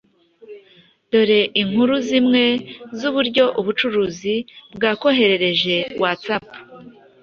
Dore inkuru zimwe zuburyo ubucuruzi bwakoreheje WatApu